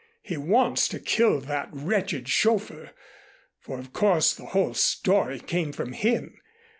He wants to kill that wretched chauffeur, for of course the whole story came from him.